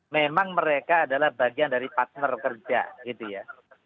memang mereka adalah bagian dari partner kerja gitu ya